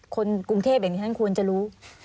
คนกรุงเทพอย่างที่ฉันควรจะรู้